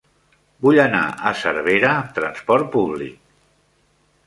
Vull anar a Cervera amb trasport públic.